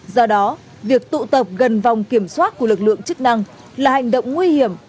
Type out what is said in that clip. do đó việc tụ tập gần vòng kiểm soát của lực lượng chức năng là hành động nguy hiểm